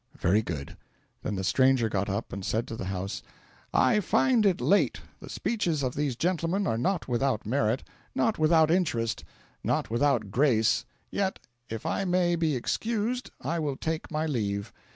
"Very good." Then the stranger got up and said to the house: "I find it late. The speeches of these gentlemen are not without merit, not without interest, not without grace; yet if I may be excused I will take my leave.